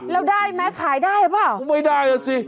แล้วได้ไหมขายได้หรือเปล่าก็ไม่ได้อ่ะสิ